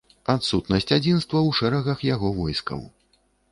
Адсутнасць адзінства ў шэрагах яго войскаў.